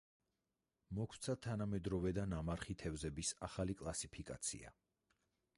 მოგვცა თანამედროვე და ნამარხი თევზების ახალი კლასიფიკაცია.